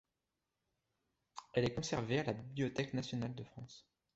Elle est conservée à la Bibliothèque nationale de France.